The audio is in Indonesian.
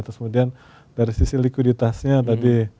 terus kemudian dari sisi likuiditasnya tadi